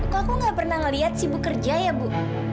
kok aku gak pernah ngeliat si ibu kerja ya bu